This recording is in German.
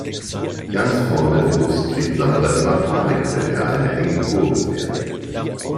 Ganz vorne im Bus kriegt Sandra immer Panik, wenn er eine enge Kurve fährt.